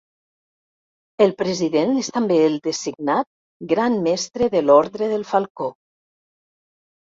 El president és també el designat Gran Mestre de l'Ordre del Falcó.